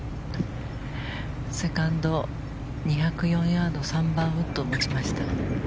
セカンド、２０４ヤード３番ウッドを持ちました。